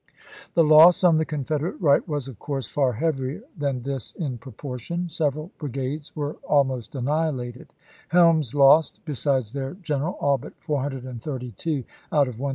The loss on the Confederate right was, of course, far heavier than this in proportion. Several brigades were almost annihilated ; Helm's lost, Ije sides their general, all but 432 out of 1763.